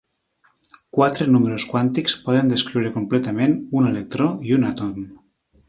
Quatre números quàntics poden descriure completament un electró i un àtom.